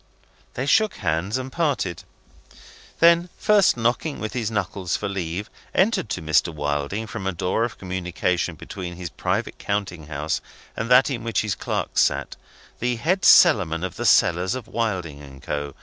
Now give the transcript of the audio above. They shook hands and parted. Then (first knocking with his knuckles for leave) entered to Mr. Wilding from a door of communication between his private counting house and that in which his clerks sat, the Head Cellarman of the cellars of Wilding and Co.